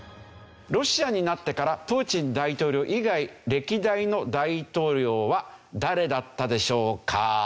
ロシアになってからプーチン大統領以外歴代の大統領は誰だったでしょうか？